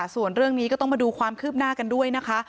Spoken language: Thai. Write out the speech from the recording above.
ส่วนเรื่องนี้ก็ต้องมาดูความคืบหน้ากันด้วยนะคะ